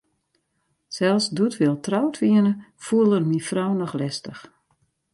Sels doe't wy al troud wiene, foel er myn frou noch lestich.